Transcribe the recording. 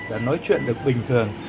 và nói chuyện được bình thường